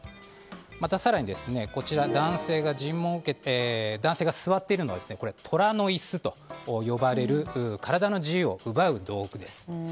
また更に、男性が座っているのはトラの椅子と呼ばれる体の自由を奪う道具です。